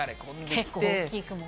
結構大きい雲。